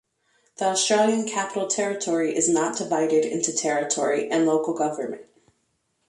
The Australian Capital Territory is not divided into territory and local government.